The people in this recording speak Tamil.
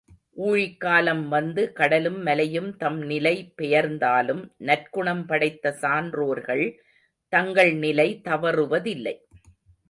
ஊழிக்காலம் வந்து, கடலும் மலையும் தம் நிலை பெயர்ந்தாலும், நற்குணம் படைத்த சான்றோர்கள் தங்கள் நிலை தவறுவதில்லை.